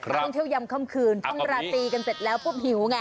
ท่องเที่ยวยำค่ำคืนช่วงราตีกันเสร็จแล้วปุ๊บหิวไง